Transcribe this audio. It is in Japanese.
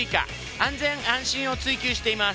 安全安心を追求しています。